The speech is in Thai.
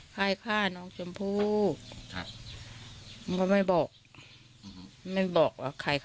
ใครฆ่าน้องชมพู่ครับมันก็ไม่บอกไม่บอกว่าใครค่ะ